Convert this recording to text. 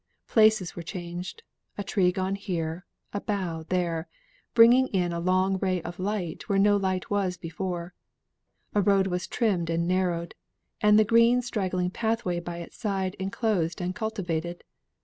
Places were changed a tree gone here, a bough there, bringing in a long ray of light where no light was before a road was trimmed and narrowed, and the green straggling pathway by its side enclosed and cultivated.